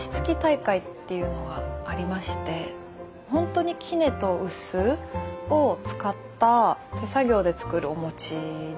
本当にきねと臼を使った手作業で作るお餅で。